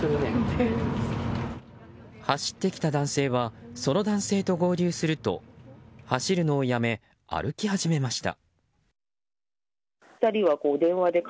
走ってきた男性はその男性と合流すると走るのをやめ、歩き始めました。